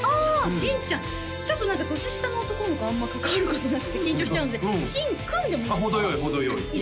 新ちゃんちょっと何か年下の男の子あんま関わることなくて緊張しちゃうんで新君でもいいですか？